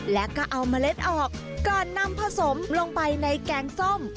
แล้วก็เอาเมล็ดออกก่อนนำผสมลงไปในแกงส้ม